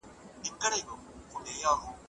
کمپيوټر لينک پرانيزي.